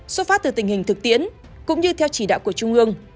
xuất phát từ tình hình thực tiễn cũng như theo chỉ đạo của trung ương